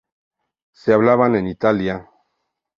Se hablaban en Italia.